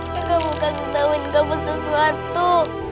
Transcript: gak mau kakak tauin kamu sesuatu